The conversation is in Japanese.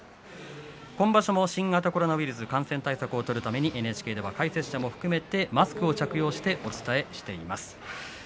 今場所も新型コロナウイルス感染対策を取るためにＮＨＫでは解説者も含めてマスクを着用してお伝えしています。